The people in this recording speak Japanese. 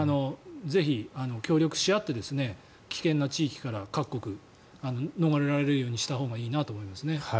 ぜひ、協力し合って危険な地域から、各国逃れられるようにしたほうがいいと思います。